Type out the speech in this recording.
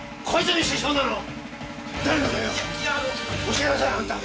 教えなさいあなた！